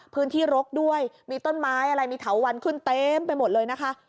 รกด้วยมีต้นไม้อะไรมีเถาวันขึ้นเต็มไปหมดเลยนะคะ